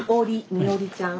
「みおり」ちゃん。